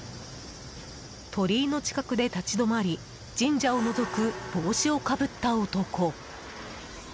鳥居の近くで立ち止まり神社をのぞく帽子をかぶった男。